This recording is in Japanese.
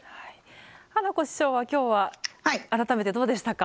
花子師匠は今日は改めてどうでしたか？